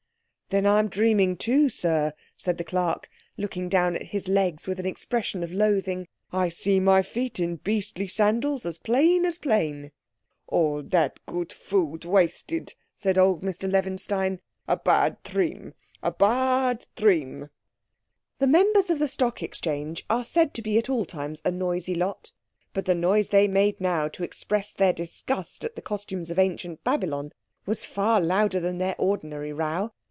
"Then I'm dreaming too, sir," said the clerk, looking down at his legs with an expression of loathing. "I see my feet in beastly sandals as plain as plain." "All that goot food wasted," said old Mr Levinstein. A bad tream—a bad tream." The Members of the Stock Exchange are said to be at all times a noisy lot. But the noise they made now to express their disgust at the costumes of ancient Babylon was far louder than their ordinary row.